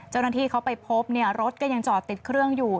เจ้าหน้าที่เขาไปพบเนี่ยรถก็ยังจอดติดเครื่องอยู่